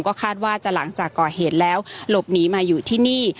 ก็คาดว่าจะหลังจากก่อเหตุแล้วหลบหนีมาอยู่ที่นี่